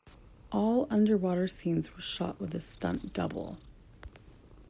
All underwater scenes were shot with a stunt double.